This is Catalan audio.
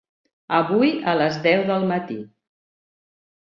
Avui a les deu del matí.